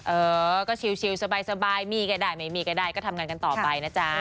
เออก็ชิวสบายมีก็ได้ไม่มีก็ได้ก็ทำงานกันต่อไปนะจ๊ะ